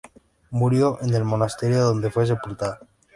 Murió en el monasterio, donde fue sepultada.